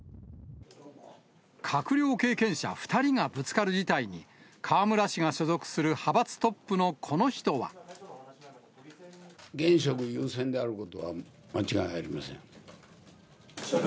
閣僚経験者２人がぶつかる事態に、河村氏が所属する派閥トップのこ現職優先であることは間違いありません。